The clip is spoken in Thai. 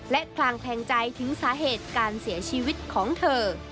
และคลางแคลงใจถึงสาเหตุการเสียชีวิตของเธอ